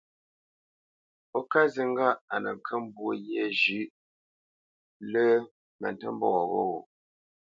Ó ká zi ŋgâʼ a nə kə́ nə́ mbwô ghyê zhʉ̌ʼ lá mə ntə́ mbɔ̂ ghô ?